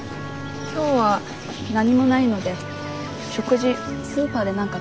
今日は何もないので食事スーパーで何か買ってきます。